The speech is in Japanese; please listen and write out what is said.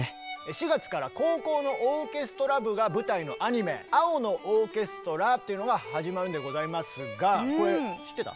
４月から高校のオーケストラ部が舞台のアニメ「青のオーケストラ」というのが始まるんでございますがこれ知ってた？